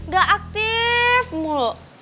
gak aktif mulu